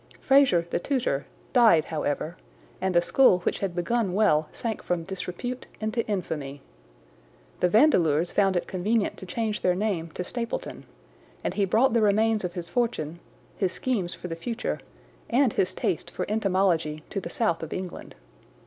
Fraser, the tutor, died however, and the school which had begun well sank from disrepute into infamy. The Vandeleurs found it convenient to change their name to Stapleton, and he brought the remains of his fortune, his schemes for the future, and his taste for entomology to the south of England.